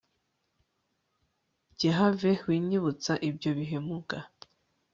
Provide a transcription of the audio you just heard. Njye have winyibutsa ibyo bihe muga